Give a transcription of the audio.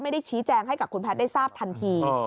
ไม่ได้ชี้แจงให้กับคุณแพทย์ได้ทราบทันที